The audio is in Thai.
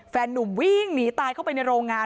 นุ่มวิ่งหนีตายเข้าไปในโรงงาน